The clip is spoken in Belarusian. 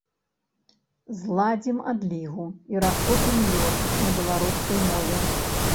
Зладзім адлігу і растопім лёд на беларускай мове!